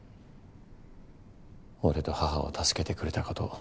俺と母を助けてくれたこと。